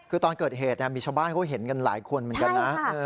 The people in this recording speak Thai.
คือตอนเกิดเหตุมีชาวบ้านเขาเห็นกันหลายคนเหมือนกันนะ